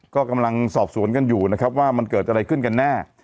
ก็กำลังสอบสวนกันอยู่นะครับว่ามันเกิดอะไรขึ้นกันแน่